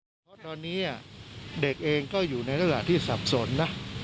เพราะตอนนี้เด็กเองก็อยู่ในระหว่างที่สับสนนะ